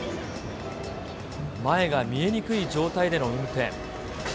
前が見えにくい状態での運転。